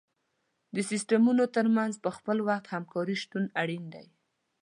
د سیستمونو تر منځ په خپل وخت همکاري شتون اړین دی.